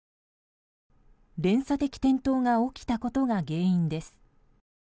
連鎖的転倒が起きたことが原因です。